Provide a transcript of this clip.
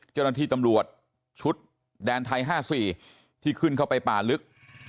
เจ้าหน้าที่ตำรวจชุดแดนไทย๕๔ที่ขึ้นเข้าไปป่าลึก